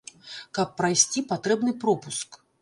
Каб прайсці, патрэбны пропуск.